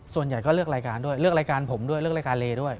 ส่วนใหญ่ก็เลือกรายการด้วยเลือกรายการผมด้วยเลือกรายการเลด้วย